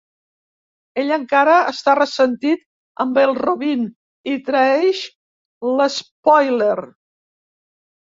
Ell encara està ressentit amb el Robin i traeix l'Spoiler.